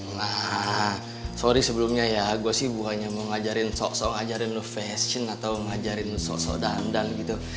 nah sorry sebelumnya ya gue sih buahnya mau ngajarin sok sok ngajarin lu fashion atau ngajarin lu sok sok dandan gitu